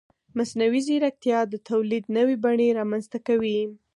مصنوعي ځیرکتیا د تولید نوې بڼې رامنځته کوي.